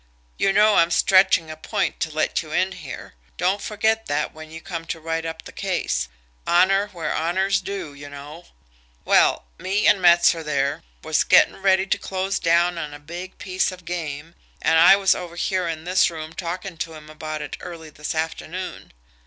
You know I'm stretching a point to let you in here don't forget that when you come to write up the case honour where's honour's due, you know. Well, me and Metzer there was getting ready to close down on a big piece of game, and I was over here in this room talking to him about it early this afternoon.